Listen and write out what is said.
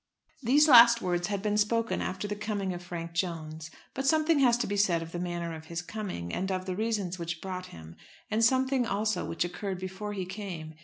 These last words had been spoken after the coming of Frank Jones, but something has to be said of the manner of his coming, and of the reasons which brought him, and something also which occurred before he came.